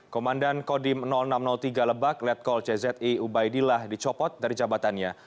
komandan kodim enam ratus tiga lebak letkol czi ubaidillah dicopot dari jabatannya